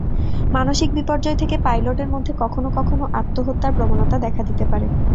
মানসিক বিপর্যয় থেকে পাইলটের মধ্যে কখনো কখনো আত্মহত্যার প্রবণতা দেখা দিতে পারে।